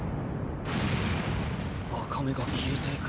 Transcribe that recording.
赤目が消えていく。